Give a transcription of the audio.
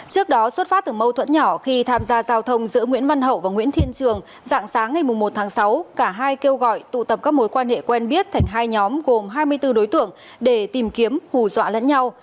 trước đó xuất phát từ mâu thuẫn nhỏ khi tham gia giao thông giữa nguyễn văn hậu và nguyễn thiên trường dạng sáng ngày một tháng sáu cả hai kêu gọi tụ tập các mối quan hệ quen biết thành hai nhóm gồm hai mươi bốn đối tượng để tìm kiếm hù dọa lẫn nhau